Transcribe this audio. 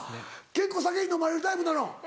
結構酒にのまれるタイプなの。